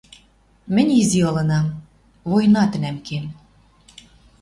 Мӹнь изи ылынам. Война тӹнӓм кен.